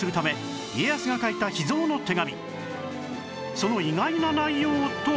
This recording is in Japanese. その意外な内容とは？